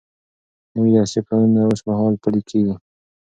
نوي درسي پلانونه اوس مهال پلي کیږي.